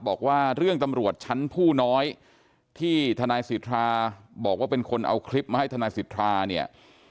บอกว่าเรื่องตำรวจชั้นผู้น้อยที่ทนายสิทธาบอกว่าเป็นคนเอาคลิปมาให้ทนายสิทธาเนี่ย